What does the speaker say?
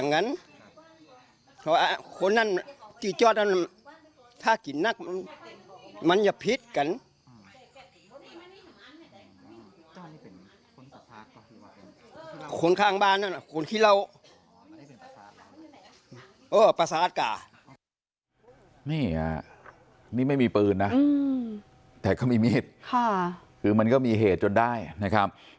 นี่ฮะนี่ไม่มีปืนนะแต่เขามีมีดคือมันก็มีเหตุจนได้นะครับ